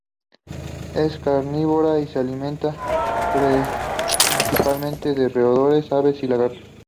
Es carnívora y se alimenta, principalmente, de roedores, aves y lagartos.